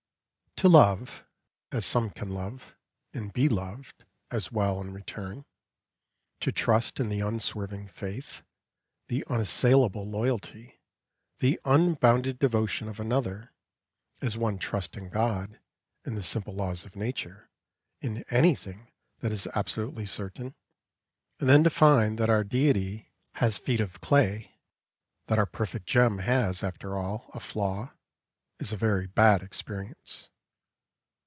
To love, as some can love, and be loved as well in return; to trust in the unswerving faith, the unassailable loyalty, the unbounded devotion of another, as one trusts in God, in the simple laws of nature, in anything that is absolutely certain; and then to find that our deity has feet of clay, that our perfect gem has, after all, a flaw, is a very bad experience.